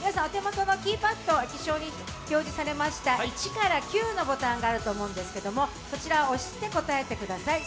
皆さん、お手元のキーパットに表示された１から９のボタンがあると思うんですけどそちらを押して答えてください。